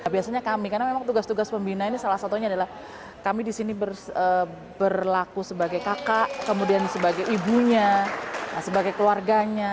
biasanya kami karena memang tugas tugas pembina ini salah satunya adalah kami di sini berlaku sebagai kakak kemudian sebagai ibunya sebagai keluarganya